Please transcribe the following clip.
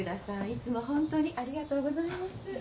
いつもホントにありがとうございます。